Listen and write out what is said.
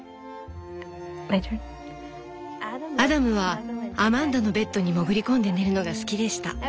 「アダムはアマンダのベッドにもぐり込んで寝るのが好きでした。